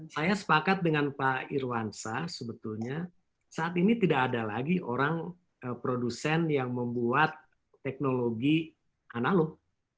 saya sepakat dengan pak irwansa sebetulnya saat ini tidak ada lagi orang produsen yang membuat teknologi analog